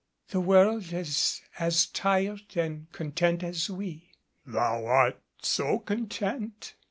"The world is as tired and as content as we." "Thou art so content?"